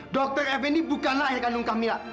dokter f ini bukanlah yang kandung kamila